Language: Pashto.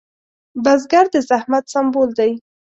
بزګر د زحمت سمبول دی